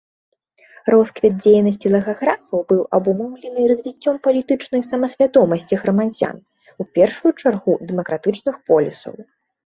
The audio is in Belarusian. Росквіт дзейнасці лагаграфаў быў абумоўлены развіццём палітычнай самасвядомасці грамадзян, у першую чаргу дэмакратычных полісаў.